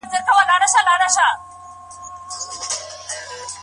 د نجونو ژوند له دغسې خطرونو څخه وژغورئ.